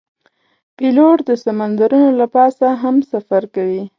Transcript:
پیلوټ د سمندرونو له پاسه هم سفر کوي.